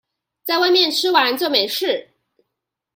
在外面吃完就沒事